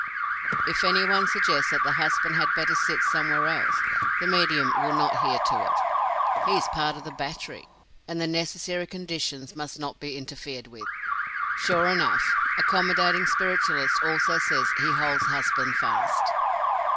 If any one suggests that the husband had better sit somewhere else, the medium will not hear to it "he is a part of the battery," and the necessary conditions must not be interfered with. Sure enough! Accommodating spiritualist also says he holds husband fast.